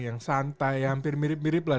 yang santai hampir mirip mirip lah